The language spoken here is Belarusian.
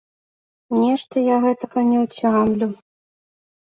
Нешта я гэтага не ўцямлю.